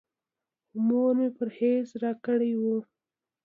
خو مور مې پرهېز راکړی و.